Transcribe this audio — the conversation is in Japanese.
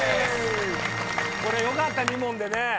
これよかった２問でね。